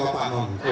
ya apa yang saya mau